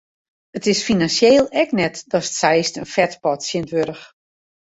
It is finansjeel ek net datst seist in fetpot tsjinwurdich.